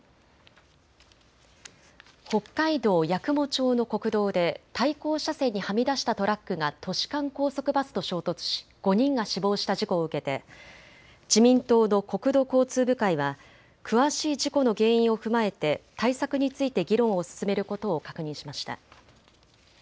北海道八雲町の国道で対向車線にはみ出したトラックが都市間高速バスと衝突し５人が死亡した事故を受けて自民党の国土交通部会は詳しい事故の原因を踏まえて対策について議論を進めることを確認しました。